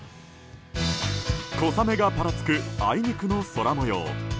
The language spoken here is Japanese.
小雨がぱらつくあいにくの空模様。